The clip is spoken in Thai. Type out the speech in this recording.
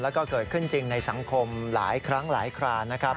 แล้วก็เกิดขึ้นจริงในสังคมหลายครั้งหลายครานนะครับ